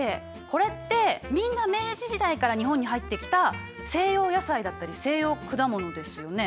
これってみんな明治時代から日本に入ってきた西洋野菜だったり西洋果物ですよね？